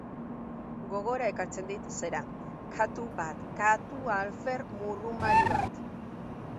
Gogora ekartzen dit, zera, katu bat, katu alfer murrumari bat...